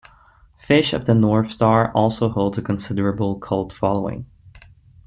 "Fist of the North Star" also holds a considerable cult following.